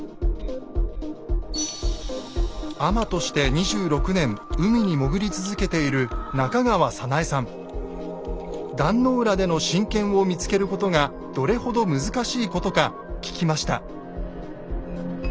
海女として２６年海に潜り続けている壇の浦での神剣を見つけることがどれほど難しいことか聞きました。